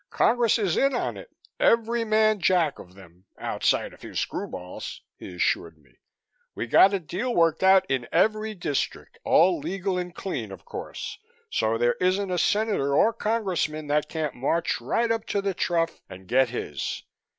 "Congress is in on it, every man jack of them outside a few screwballs," he assured me. "We got a deal worked out in every District all legal and clean, of course so there isn't a Senator or Congressman that can't march right up to the trough and get his.